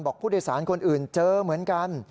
ผู้โดยสารคนอื่นเจอเหมือนกัน